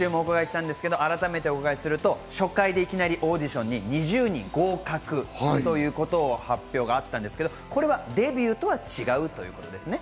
先週もお伺いしましたが、改めて伺うと初回でいきなりオーディションに２０人合格ということの発表があったんですが、これはデビューとは違うということですね。